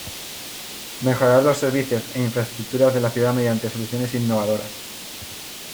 Mejorar los servicios e infraestructuras de la ciudad mediante soluciones innovadoras.